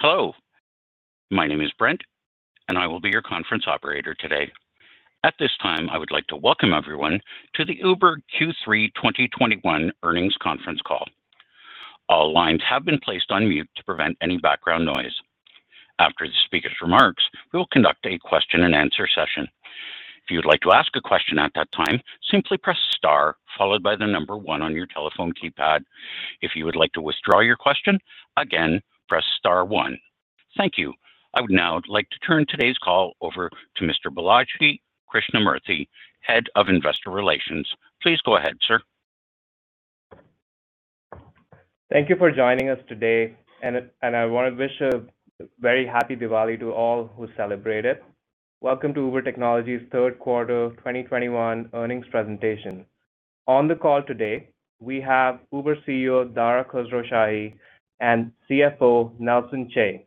Hello, my name is Brent, and I will be your conference operator today. At this time, I would like to welcome everyone to the Uber Q3 2021 earnings conference call. All lines have been placed on mute to prevent any background noise. After the speaker's remarks, we will conduct a question-and-answer session. If you'd like to ask a question at that time, simply press star followed by the number one on your telephone keypad. If you would like to withdraw your question, again, press star one. Thank you. I would now like to turn today's call over to Mr. Balaji Krishnamurthy, Head of Investor Relations. Please go ahead, sir. Thank you for joining us today, and I want to wish a very happy Diwali to all who celebrate it. Welcome to Uber Technologies' Q3 2021 earnings presentation. On the call today, we have Uber CEO, Dara Khosrowshahi, and CFO, Nelson Chai.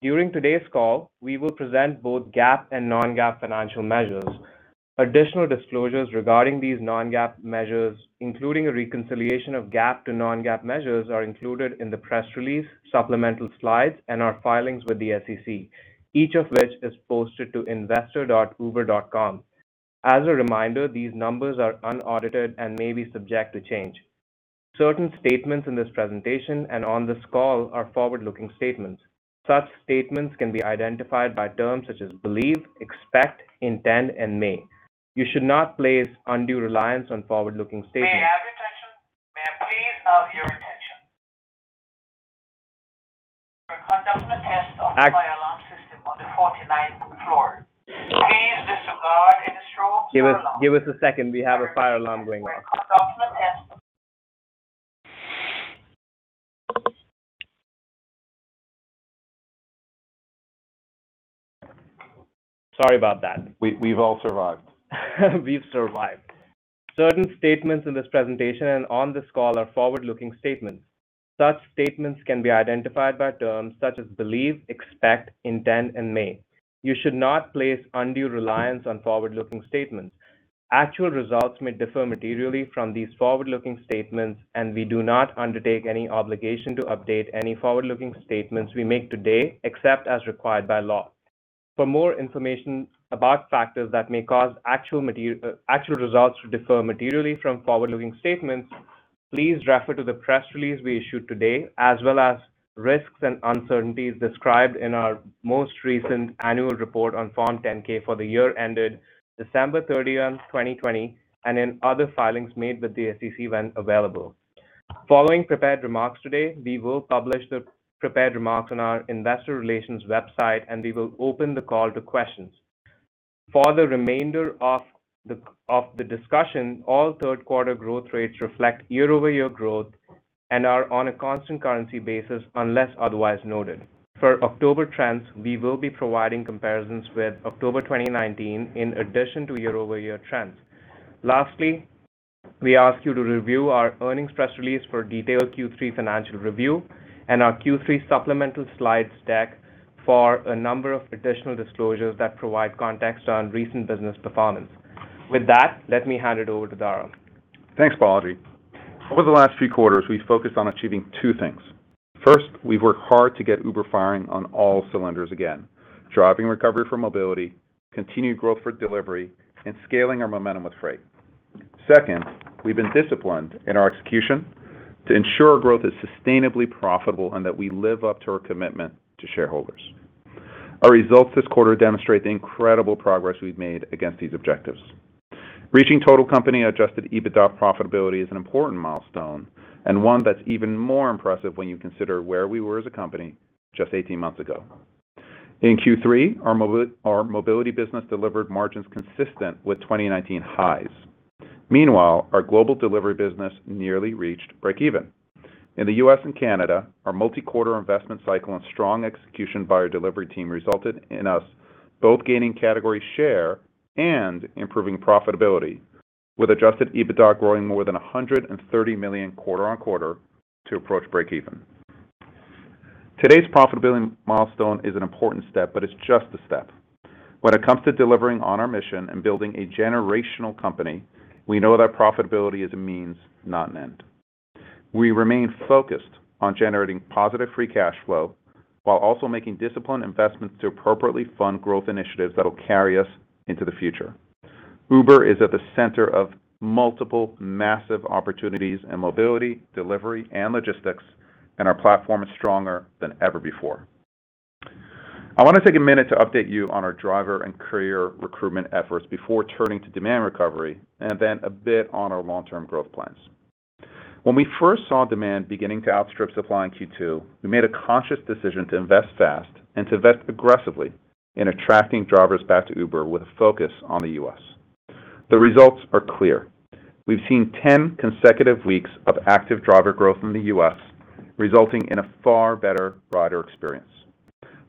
During today's call, we will present both GAAP and non-GAAP financial measures. Additional disclosures regarding these non-GAAP measures, including a reconciliation of GAAP to non-GAAP measures, are included in the press release, supplemental slides, and our filings with the SEC, each of which is posted to investor.uber.com. As a reminder, these numbers are unaudited and may be subject to change. Certain statements in this presentation and on this call are forward-looking statements. Such statements can be identified by terms such as believe, expect, intend, and may. You should not place undue reliance on forward-looking statements. May I have your attention? May I please have your attention? We're conducting a test of the fire alarm system on the forty-ninth floor. Please disregard this drill fire alarm. Give us a second. We have a fire alarm going off. We're conducting a test. Sorry about that. We've all survived. We've survived. Certain statements in this presentation and on this call are forward-looking statements. Such statements can be identified by terms such as believe, expect, intend, and may. You should not place undue reliance on forward-looking statements. Actual results may differ materially from these forward-looking statements, and we do not undertake any obligation to update any forward-looking statements we make today, except as required by law. For more information about factors that may cause actual results to differ materially from forward-looking statements, please refer to the press release we issued today, as well as risks and uncertainties described in our most recent annual report on Form 10-K for the year ended December 30th, 2020, and in other filings made with the SEC when available. Following prepared remarks today, we will publish the prepared remarks on our investor relations website, and we will open the call to questions. For the remainder of the discussion, all Q3 growth rates reflect year-over-year growth and are on a constant currency basis unless otherwise noted. For October trends, we will be providing comparisons with October 2019 in addition to year-over-year trends. Lastly, we ask you to review our earnings press release for detailed Q3 financial review and our Q3 supplemental slide deck for a number of additional disclosures that provide context on recent business performance. With that, let me hand it over to Dara. Thanks, Balaji. Over the last few quarters, we've focused on achieving two things. First, we've worked hard to get Uber firing on all cylinders again, driving recovery for mobility, continued growth for delivery, and scaling our momentum with freight. Second, we've been disciplined in our execution to ensure growth is sustainably profitable and that we live up to our commitment to shareholders. Our results this quarter demonstrate the incredible progress we've made against these objectives. Reaching total company Adjusted EBITDA profitability is an important milestone and one that's even more impressive when you consider where we were as a company just 18 months ago. In Q3, our mobility business delivered margins consistent with 2019 highs. Meanwhile, our global delivery business nearly reached break even. In the U.S. and Canada, our multi-quarter investment cycle and strong execution by our delivery team resulted in us both gaining category share and improving profitability, with Adjusted EBITDA growing more than $130 million quarter-over-quarter to approach breakeven. Today's profitability milestone is an important step, but it's just a step. When it comes to delivering on our mission and building a generational company, we know that profitability is a means, not an end. We remain focused on generating positive free cash flow while also making disciplined investments to appropriately fund growth initiatives that'll carry us into the future. Uber is at the center of multiple massive opportunities in mobility, delivery, and logistics, and our platform is stronger than ever before. I want to take a minute to update you on our driver and courier recruitment efforts before turning to demand recovery, and then a bit on our long-term growth plans. When we first saw demand beginning to outstrip supply in Q2, we made a conscious decision to invest fast and to invest aggressively in attracting drivers back to Uber with a focus on the U.S. The results are clear. We've seen 10 consecutive weeks of active driver growth in the U.S., resulting in a far better rider experience.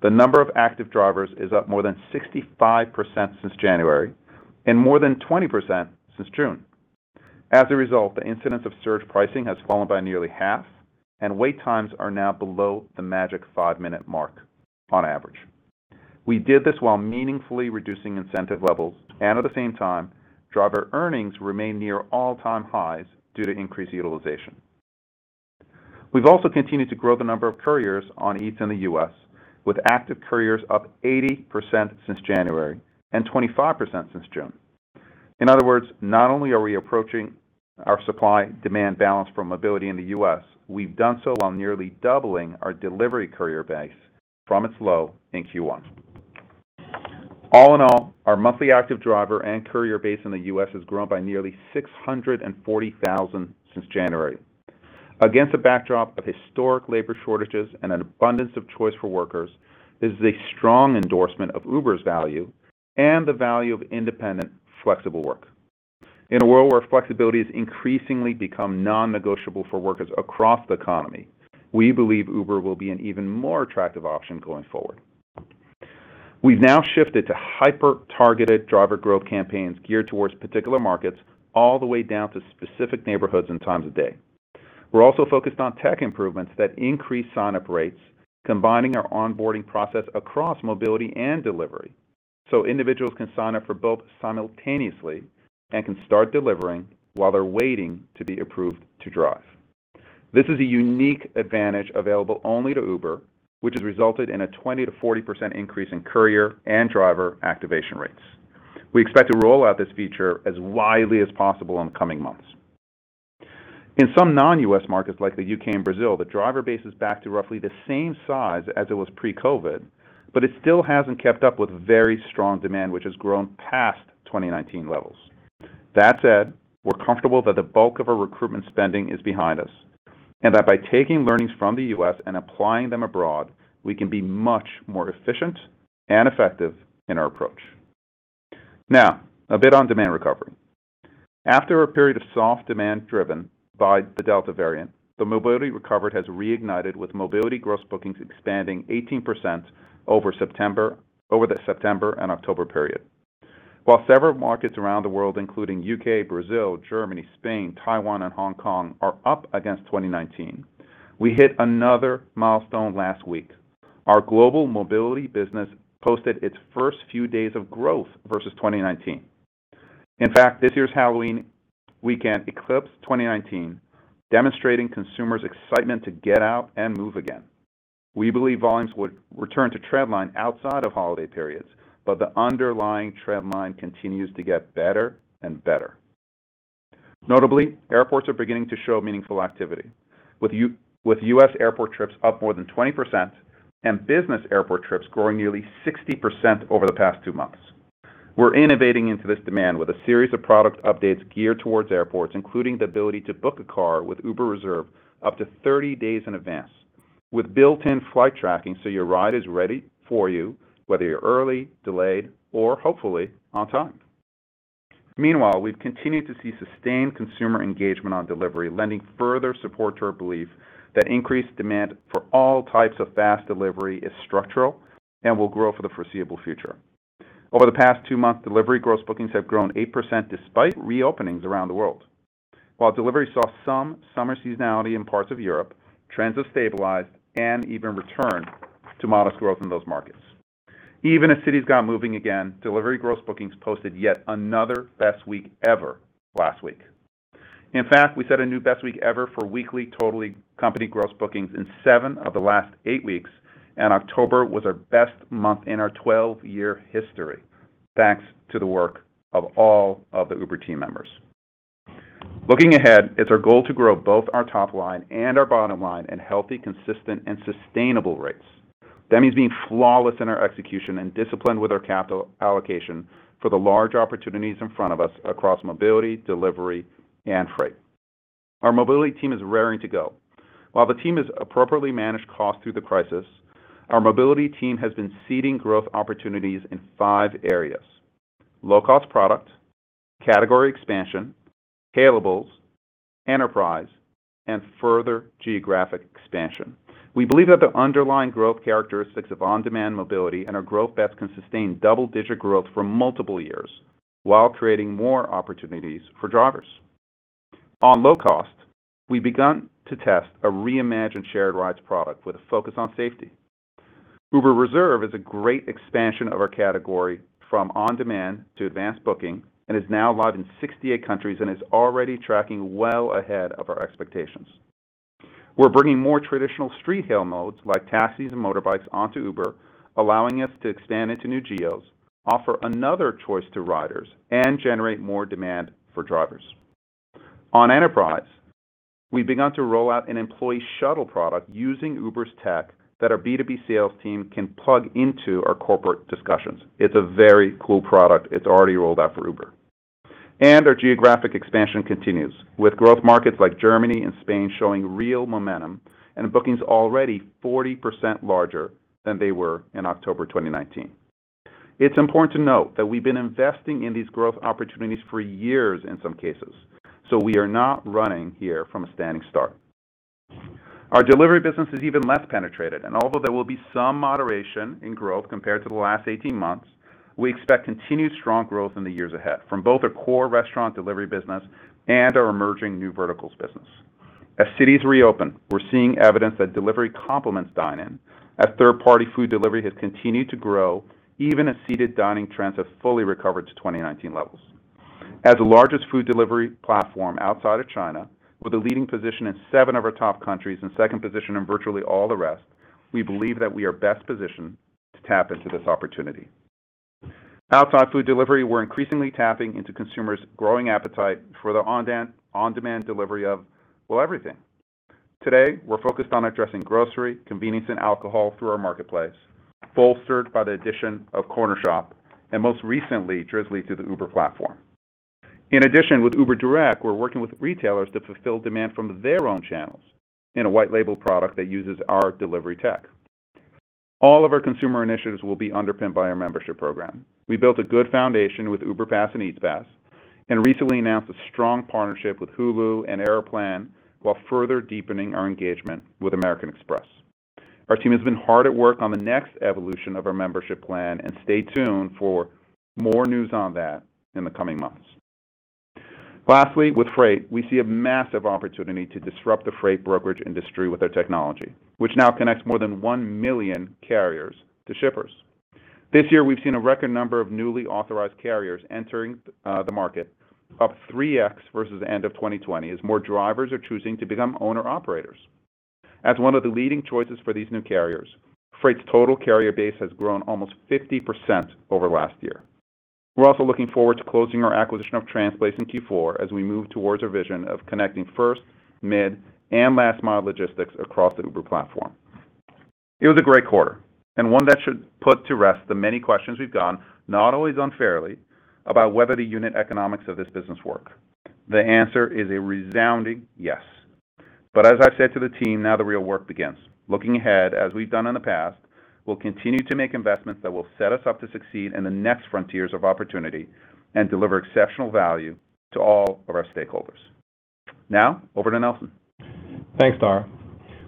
The number of active drivers is up more than 65% since January and more than 20% since June. As a result, the incidence of surge pricing has fallen by nearly half, and wait times are now below the magic 5-minute mark on average. We did this while meaningfully reducing incentive levels, and at the same time, driver earnings remained near all-time highs due to increased utilization. We've also continued to grow the number of couriers on Eats in the U.S., with active couriers up 80% since January and 25% since June. In other words, not only are we approaching our supply-demand balance for Mobility in the U.S., we've done so while nearly doubling our delivery courier base from its low in Q1. All in all, our monthly active driver and courier base in the U.S. has grown by nearly 640,000 since January. Against a backdrop of historic labor shortages and an abundance of choice for workers, this is a strong endorsement of Uber's value and the value of independent, flexible work. In a world where flexibility has increasingly become non-negotiable for workers across the economy, we believe Uber will be an even more attractive option going forward. We've now shifted to hyper-targeted driver growth campaigns geared towards particular markets all the way down to specific neighborhoods and times of day. We're also focused on tech improvements that increase sign-up rates, combining our onboarding process across Mobility and Delivery, so individuals can sign up for both simultaneously and can start delivering while they're waiting to be approved to drive. This is a unique advantage available only to Uber, which has resulted in a 20%-40% increase in courier and driver activation rates. We expect to roll out this feature as widely as possible in the coming months. In some non-U.S. markets like the U.K. and Brazil, the driver base is back to roughly the same size as it was pre-COVID, but it still hasn't kept up with very strong demand, which has grown past 2019 levels. That said, we're comfortable that the bulk of our recruitment spending is behind us, and that by taking learnings from the U.S. and applying them abroad, we can be much more efficient and effective in our approach. Now, a bit on demand recovery. After a period of soft demand driven by the Delta variant, the Mobility recovery has reignited with Mobility Gross Bookings expanding 18% over the September and October period. While several markets around the world, including U.K., Brazil, Germany, Spain, Taiwan, and Hong Kong, are up against 2019, we hit another milestone last week. Our global Mobility business posted its first few days of growth versus 2019. In fact, this year's Halloween weekend eclipsed 2019, demonstrating consumers' excitement to get out and move again. We believe volumes would return to trend line outside of holiday periods, but the underlying trend line continues to get better and better. Notably, airports are beginning to show meaningful activity with U.S. airport trips up more than 20% and business airport trips growing nearly 60% over the past two months. We're innovating into this demand with a series of product updates geared towards airports, including the ability to book a car with Uber Reserve up to 30 days in advance with built-in flight tracking so your ride is ready for you, whether you're early, delayed, or hopefully on time. Meanwhile, we've continued to see sustained consumer engagement on Delivery, lending further support to our belief that increased demand for all types of fast delivery is structural and will grow for the foreseeable future. Over the past two months, Delivery Gross Bookings have grown 8% despite re-openings around the world. While Delivery saw some summer seasonality in parts of Europe, trends have stabilized and even returned to modest growth in those markets. Even as cities got moving again, Delivery Gross Bookings posted yet another best week ever last week. In fact, we set a new best week ever for weekly total company Gross Bookings in seven of the last eight weeks, and October was our best month in our twelve-year history, thanks to the work of all of the Uber team members. Looking ahead, it's our goal to grow both our top line and our bottom line at healthy, consistent, and sustainable rates. That means being flawless in our execution and disciplined with our capital allocation for the large opportunities in front of us across Mobility, Delivery, and Freight. Our Mobility team is raring to go. While the team has appropriately managed cost through the crisis, our Mobility team has been seeding growth opportunities in five areas: low-cost product, category expansion, hailables, Enterprise, and further geographic expansion. We believe that the underlying growth characteristics of on-demand Mobility and our growth bets can sustain double-digit growth for multiple years while creating more opportunities for drivers. On low cost, we've begun to test a reimagined shared rides product with a focus on safety. Uber Reserve is a great expansion of our category from on-demand to advanced booking and is now live in 68 countries and is already tracking well ahead of our expectations. We're bringing more traditional street hail modes like taxis and motorbikes onto Uber, allowing us to expand into new geos, offer another choice to riders, and generate more demand for drivers. On Enterprise, we've begun to roll out an employee shuttle product using Uber's tech that our B2B sales team can plug into our corporate discussions. It's a very cool product. It's already rolled out for Uber. Our geographic expansion continues, with growth markets like Germany and Spain showing real momentum and bookings already 40% larger than they were in October 2019. It's important to note that we've been investing in these growth opportunities for years in some cases, so we are not running here from a standing start. Our delivery business is even less penetrated, and although there will be some moderation in growth compared to the last 18 months, we expect continued strong growth in the years ahead from both our core restaurant delivery business and our emerging New Verticals business. As cities reopen, we're seeing evidence that delivery complements dine-in as third-party food delivery has continued to grow even as seated dining trends have fully recovered to 2019 levels. As the largest food delivery platform outside of China, with a leading position in seven of our top countries and second position in virtually all the rest, we believe that we are best positioned to tap into this opportunity. Outside food delivery, we're increasingly tapping into consumers' growing appetite for the on-demand delivery of, well, everything. Today, we're focused on addressing grocery, convenience, and alcohol through our marketplace, bolstered by the addition of Cornershop, and most recently, Drizly to the Uber platform. In addition, with Uber Direct, we're working with retailers to fulfill demand from their own channels in a white label product that uses our delivery tech. All of our consumer initiatives will be underpinned by our membership program. We built a good foundation with Uber Pass and Eats Pass, and recently announced a strong partnership with Hulu and Aeroplan while further deepening our engagement with American Express. Our team has been hard at work on the next evolution of our membership plan, and stay tuned for more news on that in the coming months. Lastly, with Freight, we see a massive opportunity to disrupt the freight brokerage industry with our technology, which now connects more than 1 million carriers to shippers. This year, we've seen a record number of newly authorized carriers entering the market, up 3x versus the end of 2020, as more drivers are choosing to become owner-operators. As one of the leading choices for these new carriers, Freight's total carrier base has grown almost 50% over last year. We're also looking forward to closing our acquisition of Transplace in Q4 as we move towards our vision of connecting first, mid, and last mile logistics across the Uber platform. It was a great quarter, and one that should put to rest the many questions we've gotten, not always unfairly, about whether the unit economics of this business work. The answer is a resounding yes. As I've said to the team, now the real work begins. Looking ahead, as we've done in the past, we'll continue to make investments that will set us up to succeed in the next frontiers of opportunity and deliver exceptional value to all of our stakeholders. Now, over to Nelson. Thanks, Dara.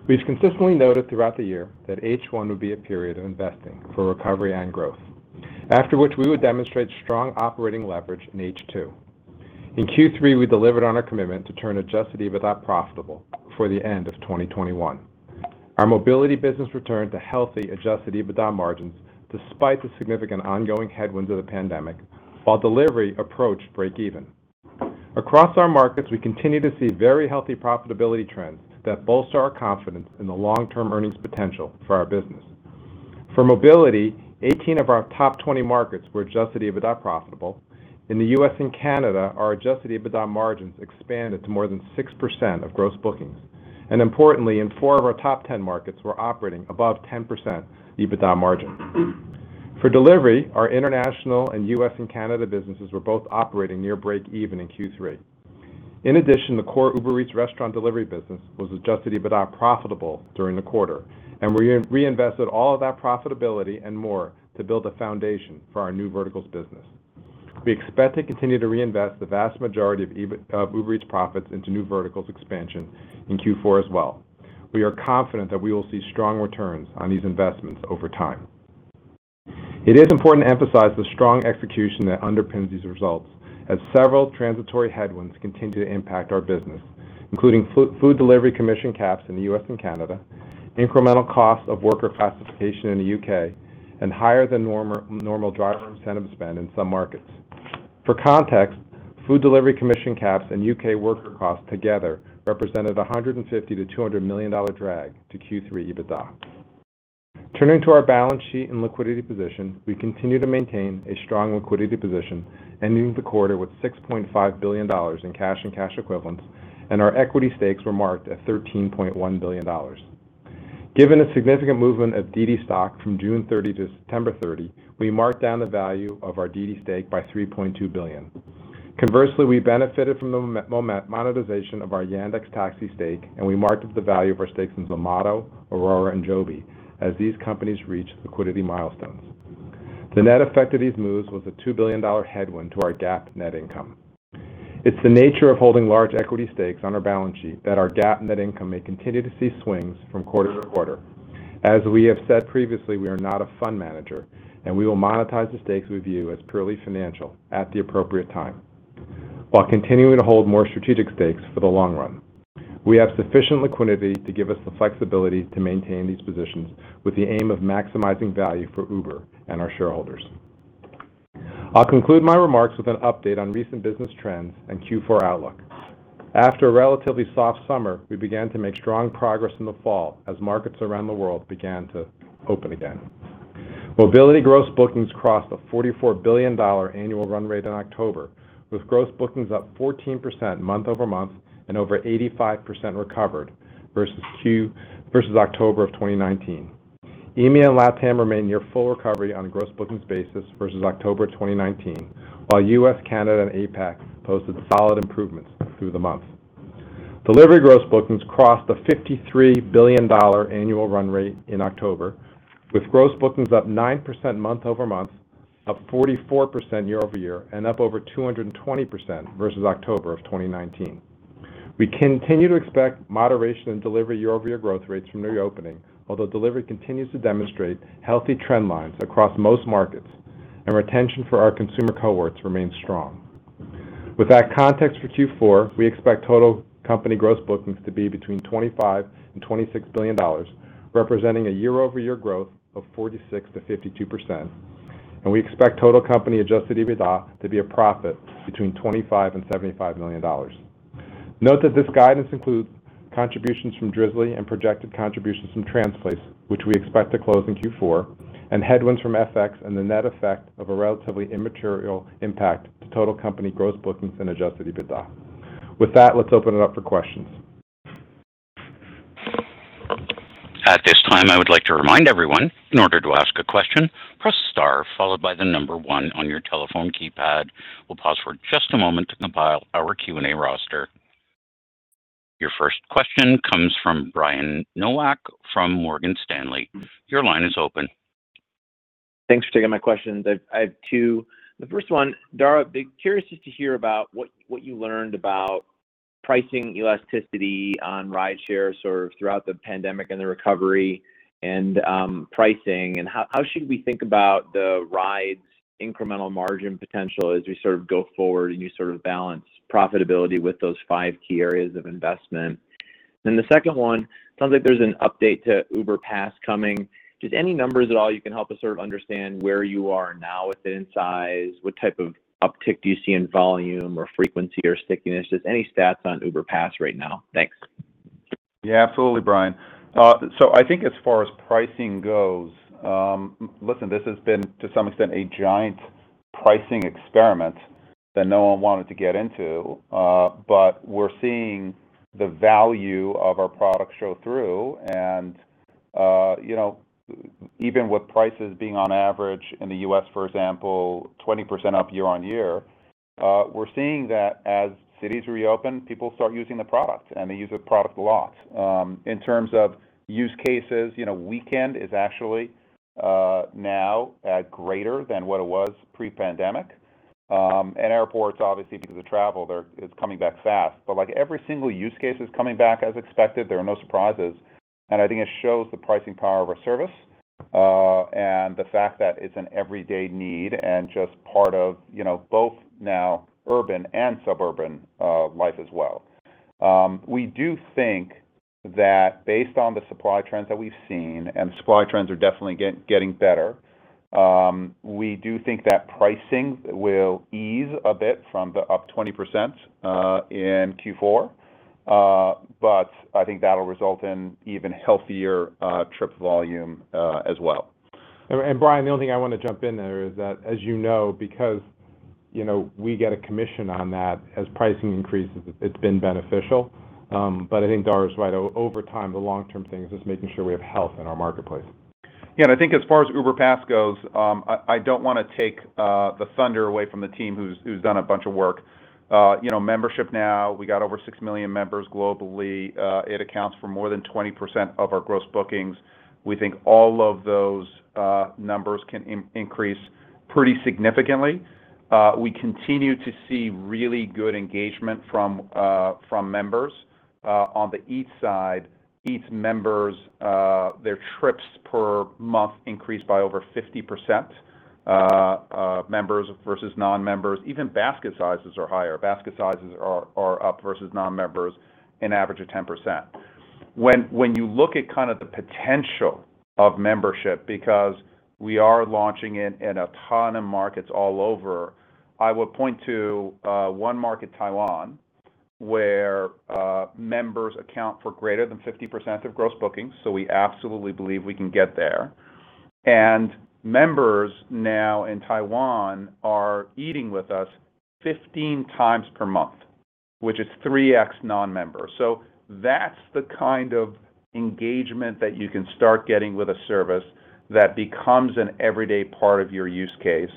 We've consistently noted throughout the year that H1 would be a period of investing for recovery and growth, after which we would demonstrate strong operating leverage in H2. In Q3, we delivered on our commitment to turn Adjusted EBITDA profitable before the end of 2021. Our mobility business returned to healthy Adjusted EBITDA margins despite the significant ongoing headwinds of the pandemic, while delivery approached break even. Across our markets, we continue to see very healthy profitability trends that bolster our confidence in the long-term earnings potential for our business. For mobility, 18 of our top 20 markets were Adjusted EBITDA profitable. In the U.S. and Canada, our Adjusted EBITDA margins expanded to more than 6% of gross bookings. Importantly, in four of our top 10 markets, we're operating above 10% EBITDA margin. For delivery, our international and U.S. and Canada businesses were both operating near breakeven in Q3. In addition, the core Uber Eats restaurant delivery business was Adjusted EBITDA profitable during the quarter, and we reinvested all of that profitability and more to build a foundation for our New Verticals business. We expect to continue to reinvest the vast majority of EBITDA of Uber Eats profits into New Verticals expansion in Q4 as well. We are confident that we will see strong returns on these investments over time. It is important to emphasize the strong execution that underpins these results as several transitory headwinds continue to impact our business, including food delivery commission caps in the U.S. and Canada, incremental costs of worker classification in the U.K., and higher than normal driver incentive spend in some markets. For context, food delivery commission caps and U.K. worker costs together represented $150 million-$200 million drag to Q3 EBITDA. Turning to our balance sheet and liquidity position, we continue to maintain a strong liquidity position, ending the quarter with $6.5 billion in cash and cash equivalents, and our equity stakes were marked at $13.1 billion. Given a significant movement of DiDi stock from June 30th to September 30th, we marked down the value of our DiDi stake by $3.2 billion. Conversely, we benefited from the monetization of our Yandex Taxi stake, and we marked up the value of our stakes in Zomato, Aurora, and Joby as these companies reach liquidity milestones. The net effect of these moves was a $2 billion headwind to our GAAP net income. It's the nature of holding large equity stakes on our balance sheet that our GAAP net income may continue to see swings from quarter to quarter. As we have said previously, we are not a fund manager, and we will monetize the stakes we view as purely financial at the appropriate time while continuing to hold more strategic stakes for the long run. We have sufficient liquidity to give us the flexibility to maintain these positions with the aim of maximizing value for Uber and our shareholders. I'll conclude my remarks with an update on recent business trends and Q4 outlook. After a relatively soft summer, we began to make strong progress in the fall as markets around the world began to open again. Mobility gross bookings crossed a $44 billion annual run rate in October, with gross bookings up 14% month-over-month and over 85% recovered versus October 2019. EMEA and LATAM remain near full recovery on a gross bookings basis versus October 2019, while U.S., Canada, and APAC posted solid improvements through the month. Delivery gross bookings crossed a $53 billion annual run rate in October, with gross bookings up 9% month-over-month, up 44% year-over-year, and up over 220% versus October 2019. We continue to expect moderation in delivery year-over-year growth rates from reopening, although delivery continues to demonstrate healthy trend lines across most markets. Retention for our consumer cohorts remains strong. With that context for Q4, we expect total company Gross Bookings to be between $25 billion and $26 billion, representing a year-over-year growth of 46%-52%. We expect total company Adjusted EBITDA to be a profit between $25 million and $75 million. Note that this guidance includes contributions from Drizly and projected contributions from Transplace, which we expect to close in Q4, and headwinds from FX and the net effect of a relatively immaterial impact to total company Gross Bookings and Adjusted EBITDA. With that, let's open it up for questions. At this time, I would like to remind everyone, in order to ask a question, press star followed by the number one on your telephone keypad. We'll pause for just a moment to compile our Q&A roster. Your first question comes from Brian Nowak from Morgan Stanley. Your line is open. Thanks for taking my question. I have two. The first one, Dara, I'd be curious just to hear about what you learned about pricing elasticity on rideshare sort of throughout the pandemic and the recovery and pricing, and how should we think about the rides incremental margin potential as we sort of go forward, and you sort of balance profitability with those five key areas of investment? The second one, it sounds like there's an update to Uber Pass coming. Just any numbers at all you can help us sort of understand where you are now with its size, what type of uptick do you see in volume or frequency or stickiness? Just any stats on Uber Pass right now? Thanks. Yeah, absolutely, Brian. So I think as far as pricing goes, listen, this has been, to some extent, a giant pricing experiment that no one wanted to get into. But we're seeing the value of our product show through and, you know, even with prices being on average in the U.S., for example, 20% up year-over-year, we're seeing that as cities reopen, people start using the product, and they use the product a lot. In terms of use cases, you know, weekend is actually now at greater than what it was pre-pandemic. Airports, obviously, because of travel, it's coming back fast. Like every single use case is coming back as expected. There are no surprises. I think it shows the pricing power of our service, and the fact that it's an everyday need and just part of, you know, both now urban and suburban, life as well. We do think that based on the supply trends that we've seen, and supply trends are definitely getting better, we do think that pricing will ease a bit from the up 20%, in Q4. I think that'll result in even healthier, trip volume, as well. Brian, the only thing I want to jump in there is that, as you know, because, you know, we get a commission on that, as pricing increases, it's been beneficial. I think Dara's right. Over time, the long-term thing is just making sure we have health in our marketplace. Yeah, I think as far as Uber Pass goes, I don't wanna take the thunder away from the team who's done a bunch of work. You know, membership now, we got over 6 million members globally. It accounts for more than 20% of our Gross Bookings. We think all of those numbers can increase pretty significantly. We continue to see really good engagement from members. On the Eats side, Eats members, their trips per month increased by over 50%, members versus non-members. Even basket sizes are higher. Basket sizes are up versus non-members an average of 10%. When you look at kind of the potential of membership, because we are launching in a ton of markets all over, I would point to one market, Taiwan, where members account for greater than 50% of Gross Bookings. We absolutely believe we can get there. Members now in Taiwan are eating with us 15x per month, which is 3x non-members. That's the kind of engagement that you can start getting with a service that becomes an everyday part of your use case.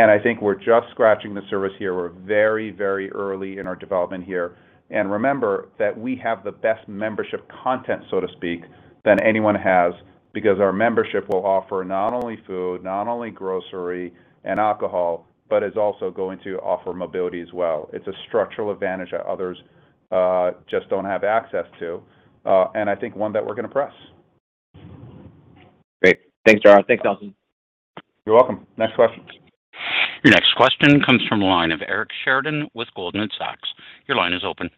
I think we're just scratching the surface here. We're very, very early in our development here. Remember that we have the best membership content, so to speak, than anyone has, because our membership will offer not only food, not only grocery and alcohol, but is also going to offer mobility as well. It's a structural advantage that others just don't have access to, and I think one that we're gonna press. Great. Thanks, Dara. Thanks, Nelson. You're welcome. Next question. Your next question comes from the line of Eric Sheridan with Goldman Sachs. Your line is open.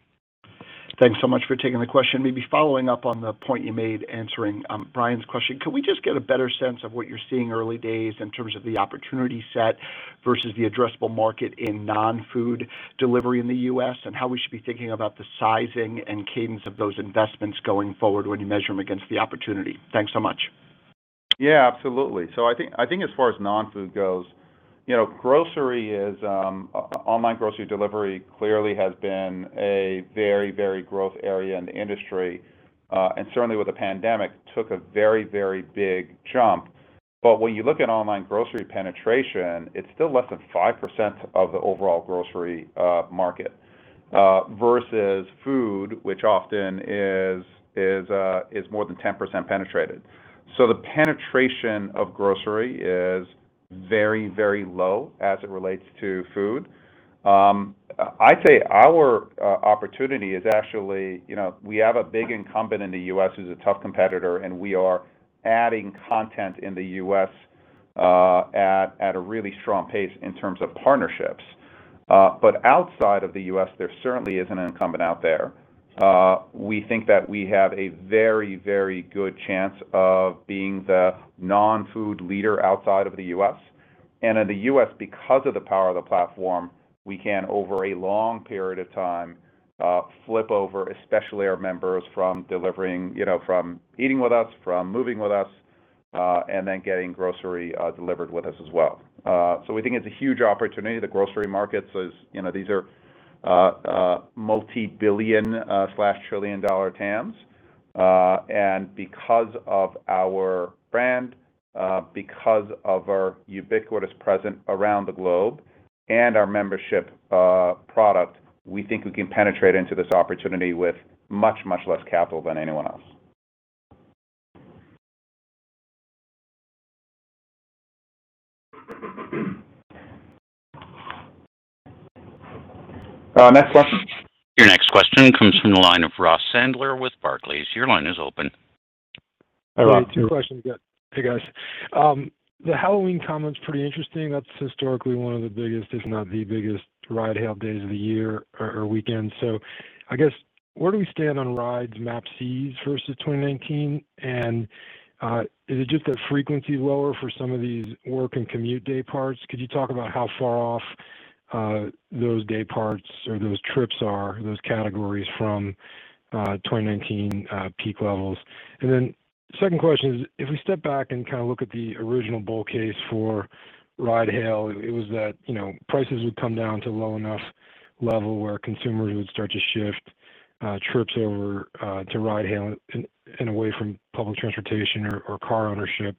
Thanks so much for taking the question. Maybe following up on the point you made answering Brian's question, could we just get a better sense of what you're seeing early days in terms of the opportunity set versus the addressable market in non-food delivery in the U.S., and how we should be thinking about the sizing and cadence of those investments going forward when you measure them against the opportunity? Thanks so much. Yeah, absolutely. I think as far as non-food goes, you know, online grocery delivery clearly has been a very, very growth area in the industry, and certainly with the pandemic, took a very, very big jump. When you look at online grocery penetration, it's still less than 5% of the overall grocery market, versus food, which often is more than 10% penetrated. The penetration of grocery is very, very low as it relates to food. I'd say our opportunity is actually, you know, we have a big incumbent in the U.S. who's a tough competitor, and we are adding content in the U.S. at a really strong pace in terms of partnerships. Outside of the U.S., there certainly is an incumbent out there. We think that we have a very, very good chance of being the non-food leader outside of the U.S. In the U.S., because of the power of the platform, we can, over a long period of time, flip over, especially our members, from delivering, you know, from eating with us, from moving with us, and then getting grocery delivered with us as well. We think it's a huge opportunity. The grocery markets is, you know, these are, multi-billion slash trillion-dollar TAMs. Because of our brand, because of our ubiquitous presence around the globe and our membership, product, we think we can penetrate into this opportunity with much, much less capital than anyone else. Next question. Your next question comes from the line of Ross Sandler with Barclays. Your line is open. Hi, Ross. Two questions, yeah. Hey, guys. The Halloween comment's pretty interesting. That's historically one of the biggest, if not the biggest, ride-hail days of the year or weekend. I guess, where do we stand on rides MAPCs versus 2019? And, is it just that frequency is lower for some of these work and commute day parts? Could you talk about how far off those day parts or those trips are, those categories from 2019 peak levels? And then second question is, if we step back and kind of look at the original bull case for ride-hail, it was that, you know, prices would come down to a low enough level where consumers would start to shift trips over to ride-hail and away from public transportation or car ownership.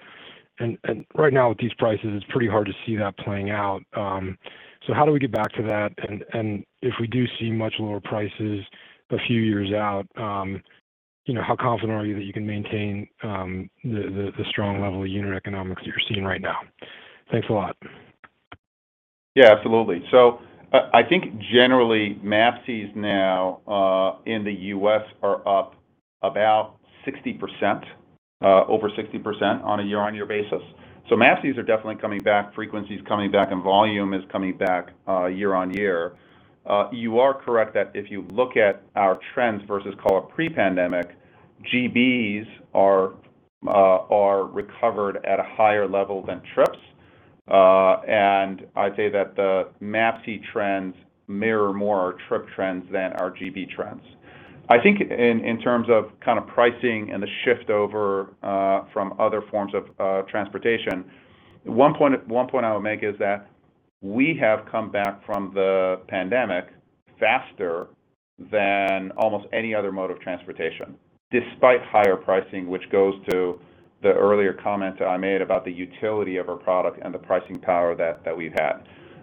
Right now with these prices, it's pretty hard to see that playing out. So how do we get back to that? If we do see much lower prices a few years out, you know, how confident are you that you can maintain the strong level of unit economics that you're seeing right now? Thanks a lot. Yeah, absolutely. I think generally MAPCs now in the U.S. are up about 60%, over 60% on a year-on-year basis. MAPCs are definitely coming back, frequency is coming back, and volume is coming back year-on-year. You are correct that if you look at our trends versus call it pre-pandemic, GBs are recovered at a higher level than trips. I'd say that the MAPC trends mirror more our trip trends than our GB trends. I think in terms of kind of pricing and the shift over from other forms of transportation, one point I would make is that we have come back from the pandemic faster than almost any other mode of transportation, despite higher pricing, which goes to the earlier comment I made about the utility of our product and the pricing power that we've had.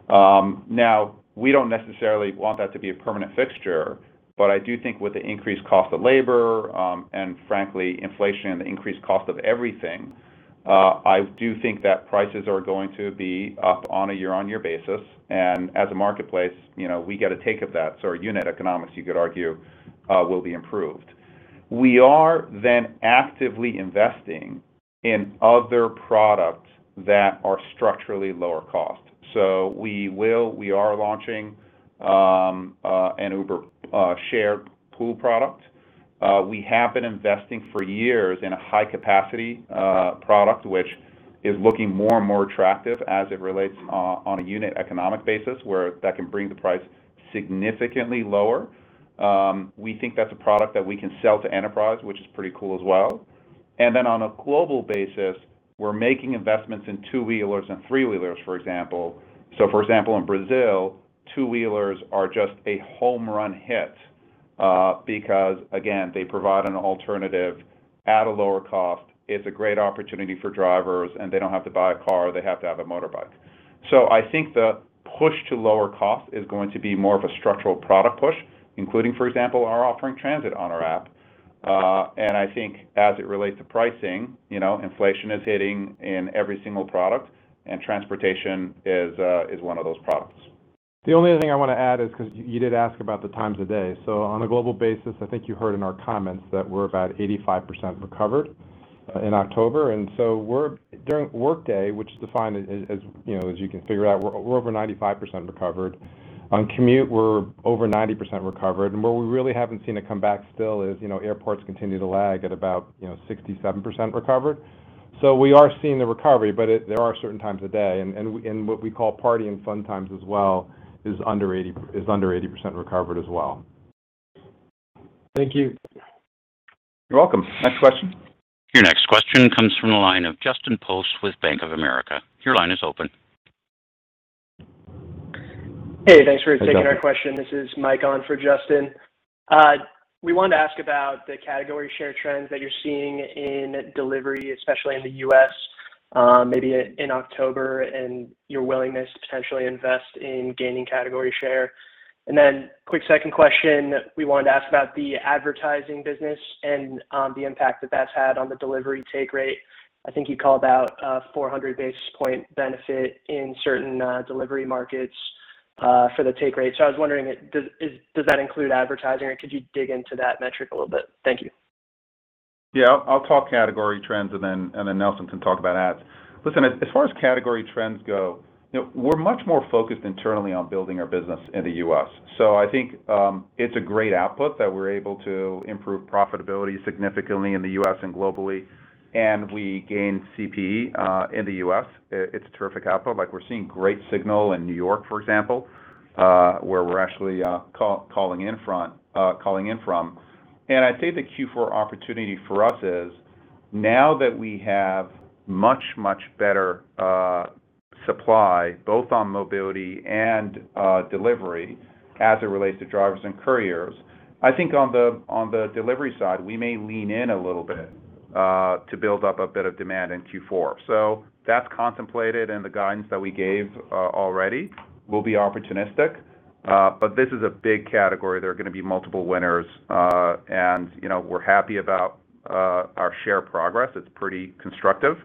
Now, we don't necessarily want that to be a permanent fixture, but I do think with the increased cost of labor and frankly, inflation and the increased cost of everything, I do think that prices are going to be up on a year-on-year basis. As a marketplace, you know, we get a take of that, so our unit economics, you could argue, will be improved. We are actively investing in other products that are structurally lower cost. We are launching an Uber shared pool product. We have been investing for years in a high-capacity product, which is looking more and more attractive as it relates on a unit economic basis, where that can bring the price significantly lower. We think that's a product that we can sell to enterprise, which is pretty cool as well. On a global basis, we're making investments in two-wheelers and three-wheelers, for example. For example, in Brazil, two-wheelers are just a home run hit, because again, they provide an alternative at a lower cost. It's a great opportunity for drivers, and they don't have to buy a car, they have to have a motorbike. I think the push to lower cost is going to be more of a structural product push, including, for example, our offering transit on our app. I think as it relates to pricing, you know, inflation is hitting in every single product, and transportation is one of those products. The only other thing I want to add is because you did ask about the times of day. On a global basis, I think you heard in our comments that we're about 85% recovered in October. We're during workday, which is defined as you know as you can figure out, we're over 95% recovered. On commute, we're over 90% recovered. Where we really haven't seen a comeback still is you know airports continue to lag at about you know 67% recovered. We are seeing the recovery, but it there are certain times of day, and what we call party and fun times as well is under 80% recovered as well. Thank you. You're welcome. Next question. Your next question comes from the line of Justin Post with Bank of America. Your line is open. Hey, thanks for taking my question. This is Mike on for Justin. We wanted to ask about the category share trends that you're seeing in delivery, especially in the U.S., maybe in October, and your willingness to potentially invest in gaining category share. Quick second question, we wanted to ask about the advertising business and the impact that that's had on the delivery take rate. I think you called out a 400 basis point benefit in certain delivery markets for the take rate. I was wondering, does that include advertising, or could you dig into that metric a little bit? Thank you. Yeah, I'll talk category trends, and then Nelson can talk about ads. Listen, as far as category trends go, you know, we're much more focused internally on building our business in the U.S. So I think it's a great output that we're able to improve profitability significantly in the U.S. and globally, and we gained CPE in the U.S. It's a terrific output. Like, we're seeing great signal in New York, for example, where we're actually calling in from. I'd say the Q4 opportunity for us is now that we have much, much better supply, both on mobility and delivery as it relates to drivers and couriers. I think on the delivery side, we may lean in a little bit to build up a bit of demand in Q4. That's contemplated in the guidance that we gave already. We'll be opportunistic, but this is a big category. There are gonna be multiple winners, and, you know, we're happy about our share progress. It's pretty constructive,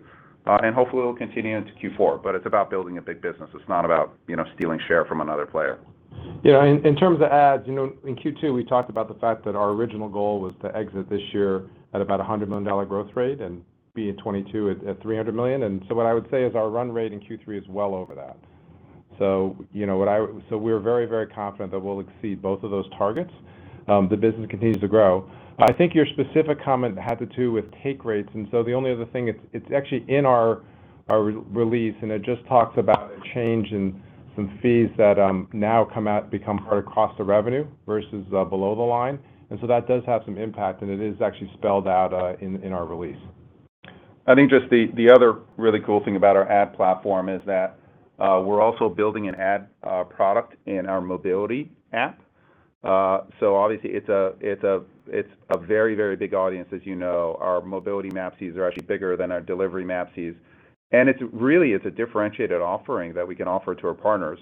and hopefully it will continue into Q4, but it's about building a big business. It's not about, you know, stealing share from another player. You know, in terms of ads, you know, in Q2, we talked about the fact that our original goal was to exit this year at about a $100 million growth rate and be at 2022 at $300 million. What I would say is our run rate in Q3 is well over that. We're very, very confident that we'll exceed both of those targets. The business continues to grow. I think your specific comment had to do with take rates, and the only other thing, it's actually in our release, and it just talks about a change in some fees that now come out, become part of cost of revenue versus below the line. That does have some impact, and it is actually spelled out in our release. I think just the other really cool thing about our ad platform is that we're also building an ad product in our mobility app. Obviously it's a very big audience, as you know. Our mobility MAPCs are actually bigger than our delivery MAPCs. It's a differentiated offering that we can offer to our partners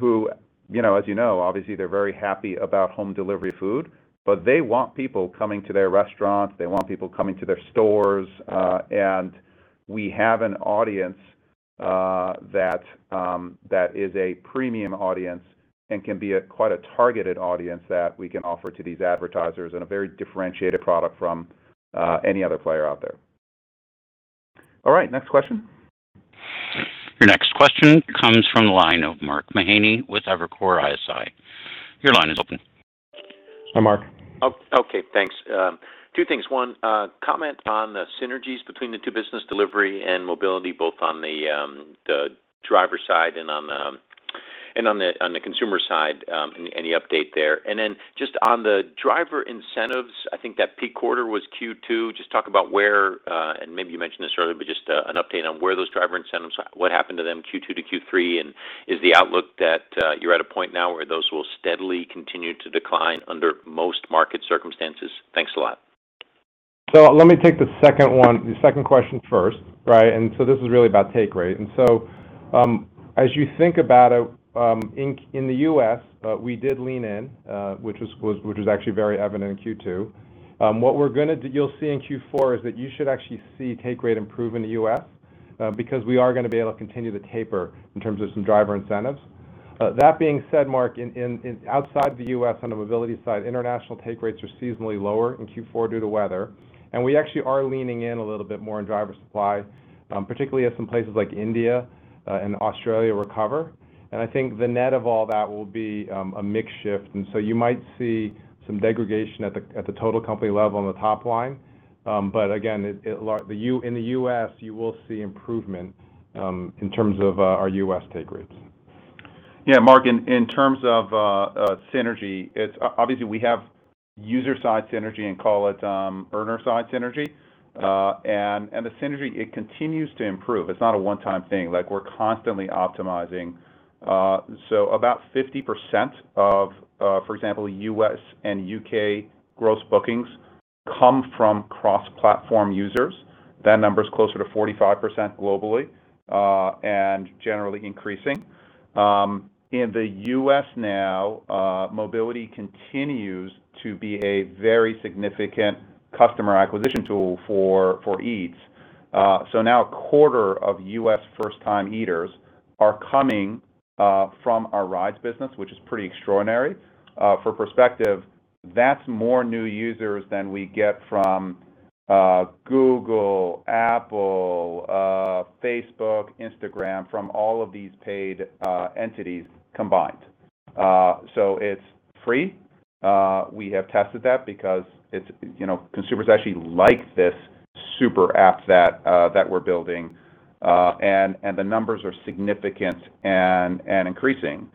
who, you know, as you know, obviously they're very happy about home delivery food, but they want people coming to their restaurant. They want people coming to their stores, and we have an audience that is a premium audience and can be a quite targeted audience that we can offer to these advertisers and a very differentiated product from any other player out there. All right, next question. Your next question comes from the line of Mark Mahaney with Evercore ISI. Your line is open. Hi, Mark. Okay, thanks. Two things. One, comment on the synergies between the two businesses, delivery and mobility, both on the driver side and on the consumer side, any update there? Just on the driver incentives, I think that peak quarter was Q2. Just talk about where, and maybe you mentioned this earlier, but just an update on where those driver incentives, what happened to them Q2 to Q3, and is the outlook that you're at a point now where those will steadily continue to decline under most market circumstances? Thanks a lot. Let me take the second one, the second question first, right? This is really about take rate. As you think about it, in the U.S., we did lean in, which was actually very evident in Q2. What we're gonna do, you'll see in Q4 is that you should actually see take rate improve in the U.S., because we are gonna be able to continue to taper in terms of some driver incentives. That being said, Mark, in outside the U.S. on the mobility side, international take rates are seasonally lower in Q4 due to weather, and we actually are leaning in a little bit more in driver supply, particularly as some places like India and Australia recover. I think the net of all that will be a mix shift, and so you might see some degradation at the total company level on the top line. Again, largely in the U.S., you will see improvement in terms of our U.S. take rates. Yeah, Mark, in terms of synergy, it's obviously we have user side synergy and call it earner side synergy. And the synergy, it continues to improve. It's not a one-time thing. Like, we're constantly optimizing. So about 50% of, for example, U.S. and U.K. Gross Bookings come from cross-platform users. That number is closer to 45% globally and generally increasing. In the U.S. now, mobility continues to be a very significant customer acquisition tool for Eats. So now a quarter of U.S. first-time eaters are coming from our rides business, which is pretty extraordinary. For perspective, that's more new users than we get from Google, Apple, Facebook, Instagram, from all of these paid entities combined. So it's free. We have tested that because it's, you know, consumers actually like this super app that we're building, and the numbers are significant and increasing.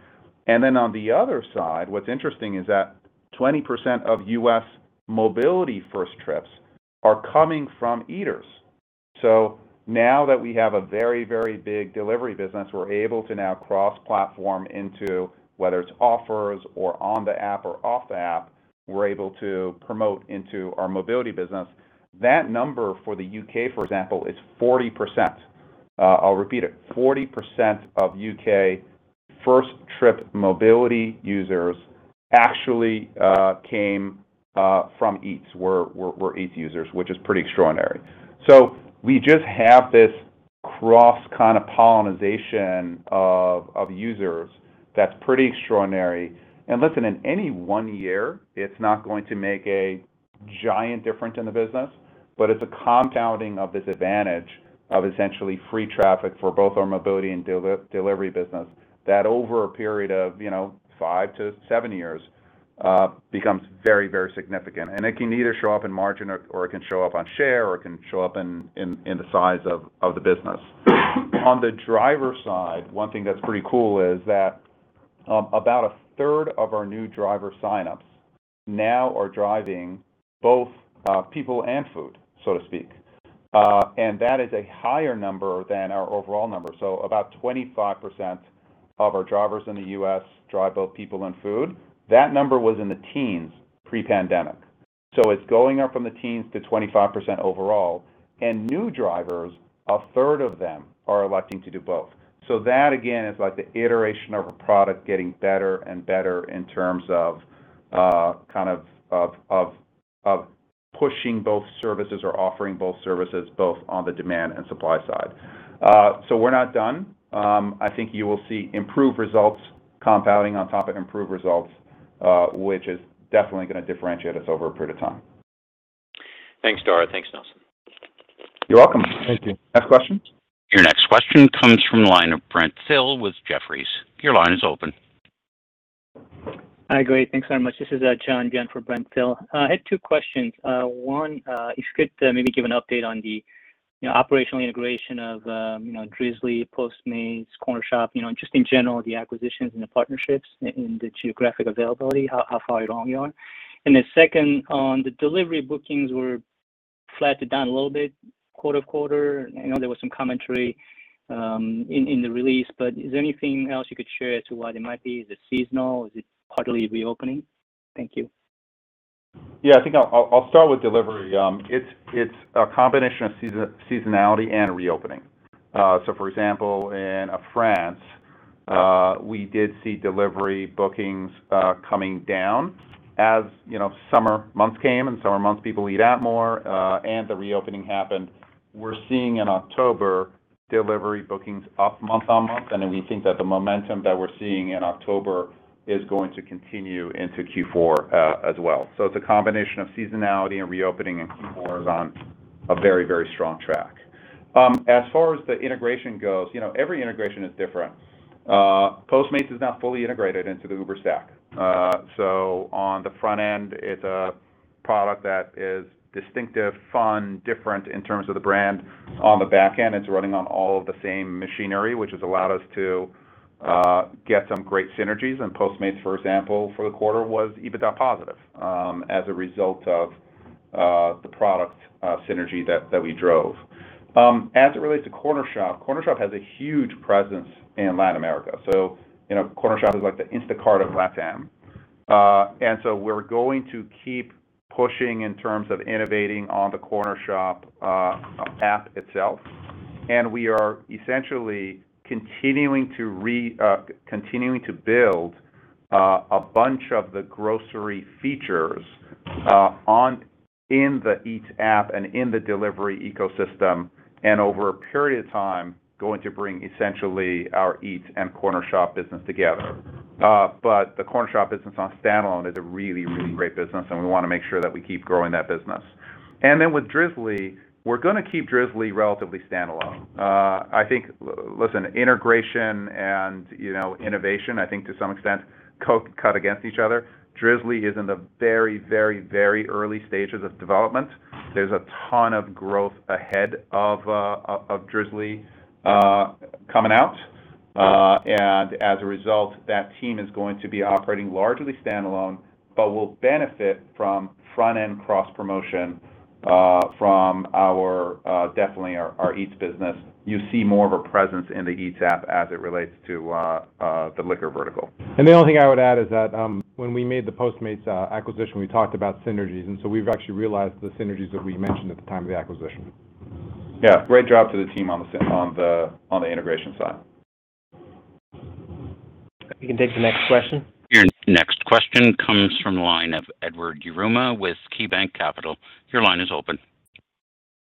Then on the other side, what's interesting is that 20% of U.S. mobility first trips are coming from Eaters. Now that we have a very big delivery business, we're able to now cross-platform into whether it's offers or on the app or off the app, we're able to promote into our mobility business. That number for the U.K., for example, is 40%. I'll repeat it. 40% of U.K. first trip mobility users actually came from Eats, were Eats users, which is pretty extraordinary. We just have this cross kind of pollination of users that's pretty extraordinary. Listen, in any one year, it's not going to make a giant difference in the business, but it's a compounding of this advantage of essentially free traffic for both our mobility and delivery business that over a period of five to seven years becomes very, very significant. It can either show up in margin or it can show up on share, or it can show up in the size of the business. On the driver side, one thing that's pretty cool is that about a third of our new driver signups now are driving both people and food, so to speak. That is a higher number than our overall number. About 25% of our drivers in the U.S. drive both people and food. That number was in the teens pre-pandemic. It's going up from the teens to 25% overall. New drivers, a third of them are electing to do both. That again is like the iteration of a product getting better and better in terms of kind of pushing both services or offering both services, both on the demand and supply side. We're not done. I think you will see improved results compounding on top of improved results, which is definitely gonna differentiate us over a period of time. Thanks, Dara. Thanks, Nelson. You're welcome. Thank you. Next question. Your next question comes from the line of Brent Thill with Jefferies. Your line is open. Hi. Great. Thanks very much. This is John Byun for Brent Thill. I had two questions. One, if you could maybe give an update on the, you know, operational integration of, you know, Drizly, Postmates, Cornershop, you know, just in general, the acquisitions and the partnerships and the geographic availability, how far along you are. Then second, on the delivery bookings were flattened down a little bit quarter to quarter. I know there was some commentary in the release, but is there anything else you could share as to why they might be. Is it seasonal. Is it partly reopening. Thank you. Yeah, I think I'll start with delivery. It's a combination of seasonality and reopening. For example, in France, we did see delivery bookings coming down. As you know, summer months came, and people eat out more, and the reopening happened. We're seeing in October delivery bookings up month-on-month, and then we think that the momentum that we're seeing in October is going to continue into Q4, as well. It's a combination of seasonality and reopening, and Q4 is on a very strong track. As far as the integration goes, you know, every integration is different. Postmates is now fully integrated into the Uber stack. So on the front end, it's a product that is distinctive, fun, different in terms of the brand. On the back end, it's running on all of the same machinery, which has allowed us to get some great synergies. Postmates, for example, for the quarter, was EBITDA positive as a result of the product synergy that we drove. As it relates to Cornershop has a huge presence in Latin America. You know, Cornershop is like the Instacart of LATAM. We're going to keep pushing in terms of innovating on the Cornershop app itself. We are essentially continuing to build a bunch of the grocery features in the Eats app and in the delivery ecosystem, and over a period of time, going to bring essentially our Eats and Cornershop business together. The Cornershop business on standalone is a really great business, and we wanna make sure that we keep growing that business. With Drizly, we're gonna keep Drizly relatively standalone. I think, listen, integration and, you know, innovation, I think to some extent cut against each other. Drizly is in the very early stages of development. There's a ton of growth ahead of Drizly coming out. As a result, that team is going to be operating largely standalone, but will benefit from front-end cross-promotion from our definitely our Eats business. You see more of a presence in the Eats app as it relates to the liquor vertical. The only thing I would add is that, when we made the Postmates acquisition, we talked about synergies, and so we've actually realized the synergies that we mentioned at the time of the acquisition. Yeah. Great job to the team on the integration side. You can take the next question. Your next question comes from the line of Edward Yruma with KeyBanc Capital Markets. Your line is open.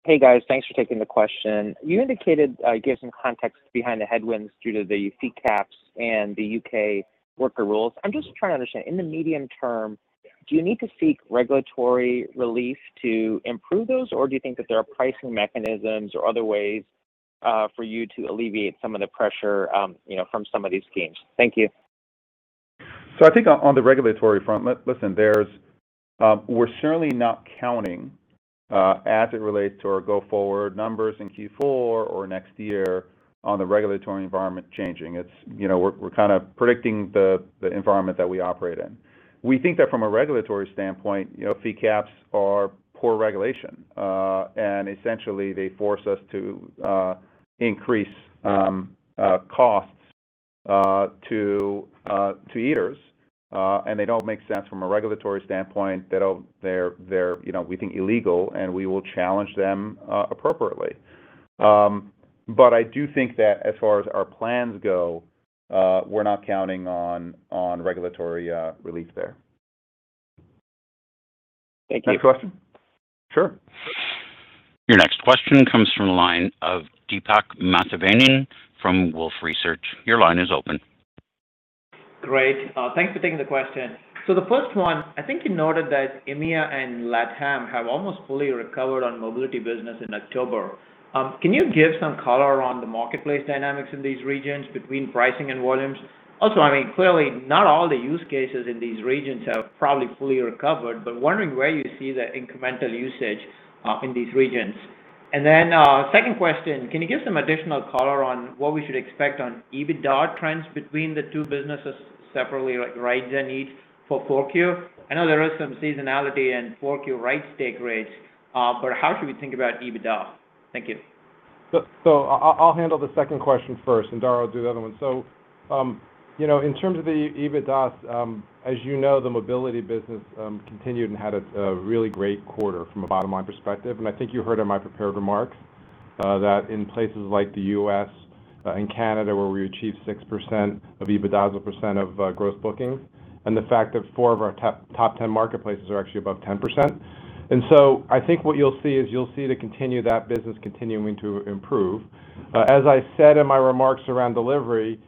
Hey, guys. Thanks for taking the question. You indicated, gave some context behind the headwinds due to the fee caps and the U.K. worker rules. I'm just trying to understand, in the medium term, do you need to seek regulatory relief to improve those, or do you think that there are pricing mechanisms or other ways, for you to alleviate some of the pressure, you know, from some of these schemes? Thank you. I think on the regulatory front, we're certainly not counting as it relates to our go-forward numbers in Q4 or next year on the regulatory environment changing. It's, you know, we're kind of predicting the environment that we operate in. We think that from a regulatory standpoint, you know, fee caps are poor regulation, and essentially they force us to increase costs to eaters. And they don't make sense from a regulatory standpoint. They're, you know, we think illegal, and we will challenge them appropriately. I do think that as far as our plans go, we're not counting on regulatory relief there. Thank you. Next question. Sure. Your next question comes from the line of Deepak Mathivanan from Wolfe Research. Your line is open. Great. Thanks for taking the question. The first one, I think you noted that EMEA and LATAM have almost fully recovered on mobility business in October. Can you give some color on the marketplace dynamics in these regions between pricing and volumes? Also, I mean, clearly, not all the use cases in these regions have probably fully recovered, but wondering where you see the incremental usage in these regions. Second question, can you give some additional color on what we should expect on EBITDA trends between the two businesses separately, like rides and eats for 4Q? I know there is some seasonality in 4Q rides day rates, but how should we think about EBITDA? Thank you. I'll handle the second question first, and Dara will do the other one. You know, in terms of the EBITDA, the mobility business continued and had a really great quarter from a bottom-line perspective. I think you heard in my prepared remarks that in places like the U.S. and Canada, where we achieved 6% of EBITDA as a percent of Gross Bookings, and the fact that four of our top ten marketplaces are actually above 10%. I think what you'll see is that business continuing to improve. As I said in my remarks around delivery,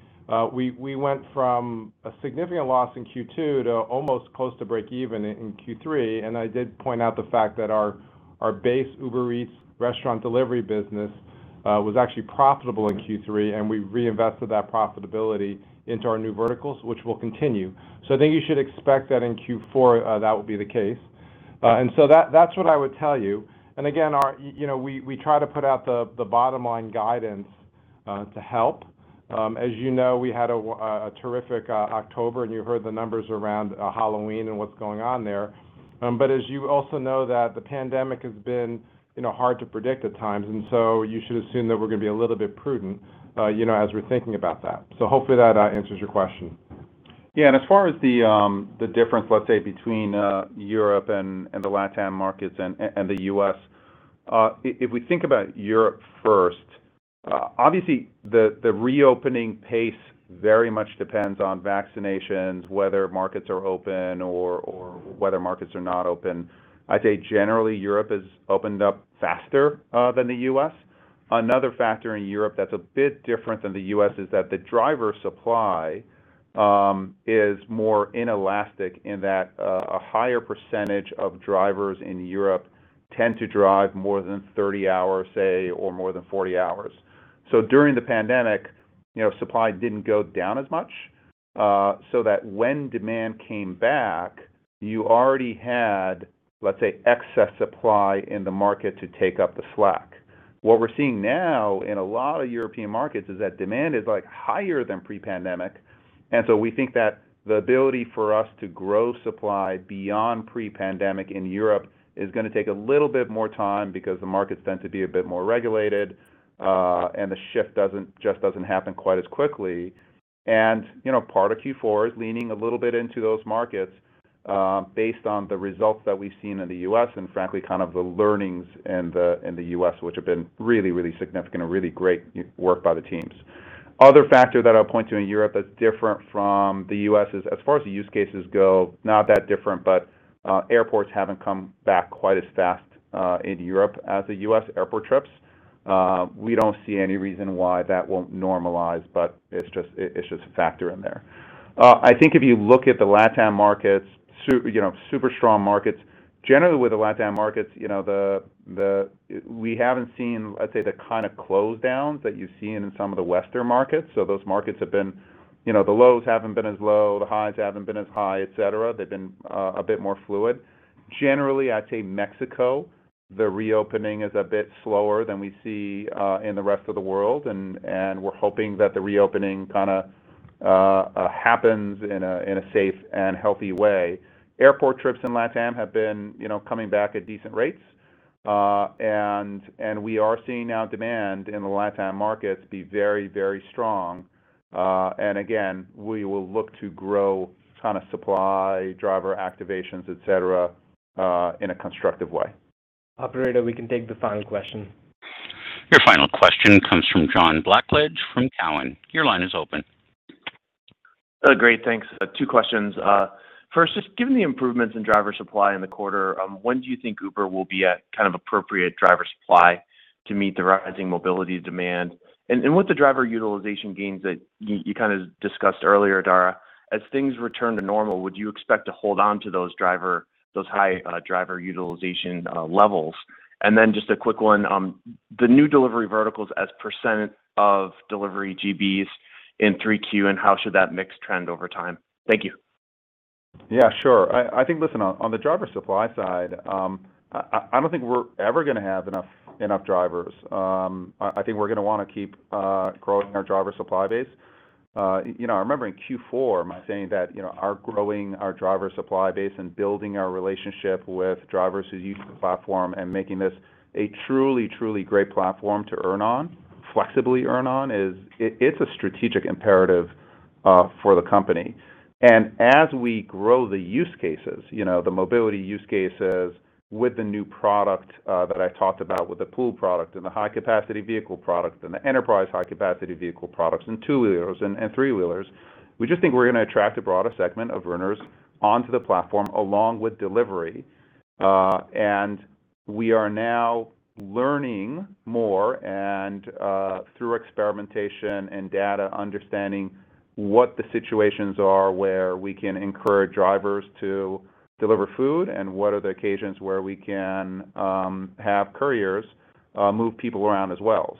we went from a significant loss in Q2 to almost close to breakeven in Q3. I did point out the fact that our base Uber Eats restaurant delivery business was actually profitable in Q3, and we reinvested that profitability into our New Verticals, which will continue. I think you should expect that in Q4, that will be the case. That's what I would tell you. Again, you know, we try to put out the bottom-line guidance to help. As you know, we had a terrific October, and you heard the numbers around Halloween and what's going on there. As you also know that the pandemic has been, you know, hard to predict at times, and so you should assume that we're going to be a little bit prudent, you know, as we're thinking about that. Hopefully that answers your question. Yeah. As far as the difference, let's say, between Europe and the LATAM markets and the U.S., if we think about Europe first, obviously the reopening pace very much depends on vaccinations, whether markets are open or whether markets are not open. I'd say generally, Europe has opened up faster than the U.S. Another factor in Europe that's a bit different than the U.S. is that the driver supply is more inelastic in that a higher percentage of drivers in Europe tend to drive more than 30 hours, say, or more than 40 hours. During the pandemic, you know, supply didn't go down as much, so that when demand came back, you already had, let's say, excess supply in the market to take up the slack. What we're seeing now in a lot of European markets is that demand is, like, higher than pre-pandemic. We think that the ability for us to grow supply beyond pre-pandemic in Europe is going to take a little bit more time because the markets tend to be a bit more regulated, and the shift just doesn't happen quite as quickly. You know, part of Q4 is leaning a little bit into those markets, based on the results that we've seen in the U.S. and frankly, kind of the learnings in the U.S., which have been really significant, a really great work by the teams. Other factor that I'll point to in Europe that's different from the U.S. is as far as the use cases go, not that different, but airports haven't come back quite as fast in Europe as the U.S. airport trips. We don't see any reason why that won't normalize, but it's just a factor in there. I think if you look at the LATAM markets, you know, super strong markets. Generally with the LATAM markets, you know, we haven't seen, let's say, the kind of lockdowns that you've seen in some of the Western markets. Those markets have been, you know, the lows haven't been as low, the highs haven't been as high, et cetera. They've been a bit more fluid. Generally, I'd say Mexico, the reopening is a bit slower than we see in the rest of the world, and we're hoping that the reopening happens in a safe and healthy way. Airport trips in LATAM have been, you know, coming back at decent rates. We are seeing now demand in the LATAM markets be very, very strong. Again, we will look to grow kind of supply, driver activations, et cetera, in a constructive way. Operator, we can take the final question. Your final question comes from John Blackledge from Cowen. Your line is open. Great. Thanks. Two questions. First, just given the improvements in driver supply in the quarter, when do you think Uber will be at kind of appropriate driver supply to meet the rising mobility demand? With the driver utilization gains that you kind of discussed earlier, Dara, as things return to normal, would you expect to hold on to those high driver utilization levels? Just a quick one, the new delivery verticals as percent of delivery GBs in 3Q, and how should that mix trend over time? Thank you. Yeah, sure. I think, listen, on the driver supply side, I don't think we're ever going to have enough drivers. I think we're going to want to keep growing our driver supply base. You know, I remember in Q4 saying that, you know, growing our driver supply base and building our relationship with drivers who use the platform and making this a truly great platform to earn on, flexibly earn on, it's a strategic imperative for the company. As we grow the use cases, you know, the mobility use cases with the new product that I talked about with the pool product and the high-capacity vehicle product and the enterprise high-capacity vehicle products and two-wheelers and three-wheelers, we just think we're gonna attract a broader segment of earners onto the platform along with delivery. We are now learning more and, through experimentation and data, understanding what the situations are where we can encourage drivers to deliver food, and what are the occasions where we can have couriers move people around as well.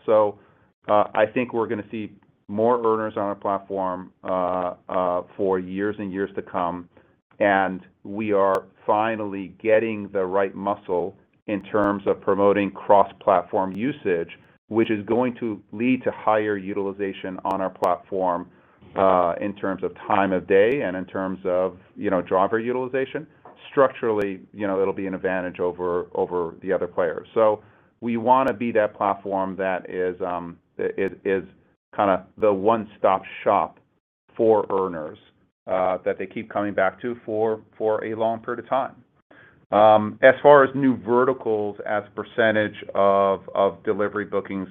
I think we're gonna see more earners on our platform for years and years to come, and we are finally getting the right muscle in terms of promoting cross-platform usage, which is going to lead to higher utilization on our platform, in terms of time of day and in terms of, you know, driver utilization. Structurally, you know, it'll be an advantage over the other players. We wanna be that platform that is, The one-stop shop for earners that they keep coming back to for a long period of time. As far as New Verticals as percentage of delivery bookings,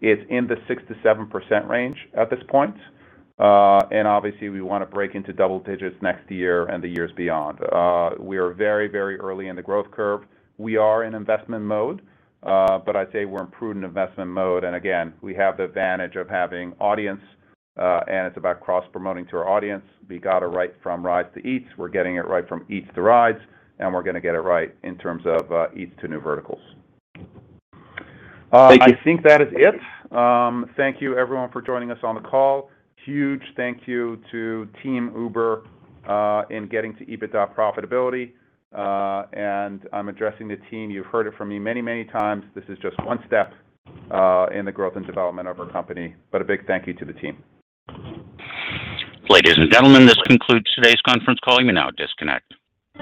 it's in the 6%-7% range at this point. Obviously, we wanna break into double digits next year and the years beyond. We are very, very early in the growth curve. We are in investment mode, but I'd say we're in prudent investment mode. Again, we have the advantage of having audience, and it's about cross-promoting to our audience. We got it right from Rides to Eats. We're getting it right from Eats to Rides, and we're gonna get it right in terms of Eats to New Verticals. I think that is it. Thank you everyone for joining us on the call. Huge thank you to Team Uber in getting to EBITDA profitability. I'm addressing the team. You've heard it from me many, many times. This is just one step in the growth and development of our company, but a big thank you to the team. Ladies and gentlemen, this concludes today's conference call. You may now disconnect.